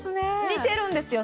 似てるんですよ。